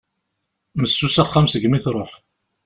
Messus axxam segmi truḥ.